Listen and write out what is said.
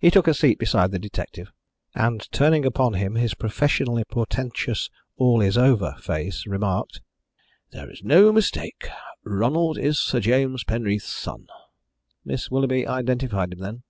He took a seat beside the detective and, turning upon him his professionally portentous "all is over" face, remarked: "There is no mistake. Ronald is Sir James Penreath's son." "Miss Willoughby identified him, then?"